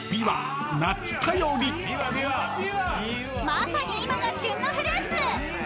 ［まさに今が旬のフルーツ］